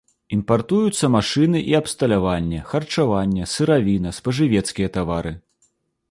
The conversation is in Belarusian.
Імпартуюцца машыны і абсталяванне, харчаванне, сыравіна, спажывецкія тавары.